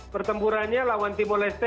pertempurannya lawan timor leste